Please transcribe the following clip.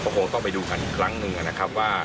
คงต้องไปดูกันอีกครั้งหนึ่ง